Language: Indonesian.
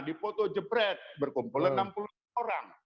dipoto jebret berkumpul enam puluh orang